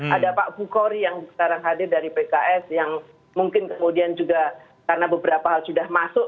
ada pak bukhori yang sekarang hadir dari pks yang mungkin kemudian juga karena beberapa hal sudah masuk